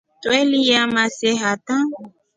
Twelilyana see hata.